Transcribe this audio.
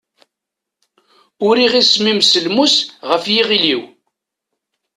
Uriɣ isem-im s lmus ɣef yiɣil-iw.